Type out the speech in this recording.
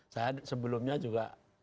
saya sebelumnya juga